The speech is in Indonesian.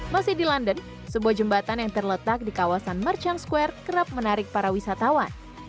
masih di london sebuah jembatan yang terletak di kawasan merchant square kerap menarik para wisatawan